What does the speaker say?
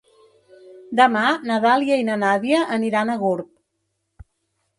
Demà na Dàlia i na Nàdia aniran a Gurb.